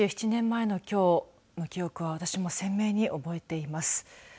２７年前のきょうの記憶は私も鮮明に覚えています。